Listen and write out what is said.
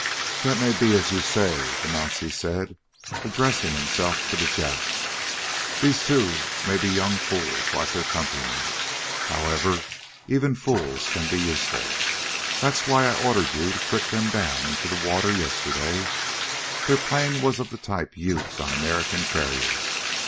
"That may be as you say," the Nazi said, addressing himself to the Jap. "These two may be young fools, like their countrymen. However, even fools can be useful. That is why I ordered you to trick them down into the water yesterday. Their plane was of the type used on American carriers.